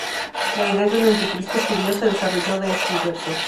La idea de un Anticristo judío se desarrolló de estos versos.